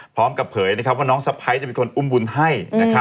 เผยว่าน้องสะพ้ายจะเป็นคนอุ้มบุญให้